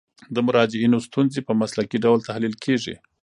د مراجعینو ستونزې په مسلکي ډول تحلیل کیږي.